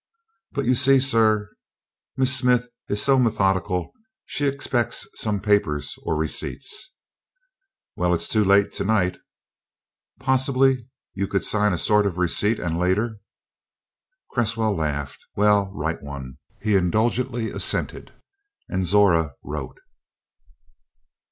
"But you see, sir, Miss Smith is so methodical; she expects some papers or receipts." "Well, it's too late tonight." "Possibly you could sign a sort of receipt and later " Cresswell laughed. "Well, write one," he indulgently assented. And Zora wrote.